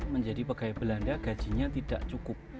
menjadi pegawai belanda gajinya tidak cukup